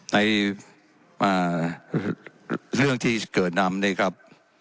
ในเรื่องที่เกิดนำเนี่ยครับ